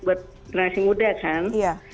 buat generasi muda kan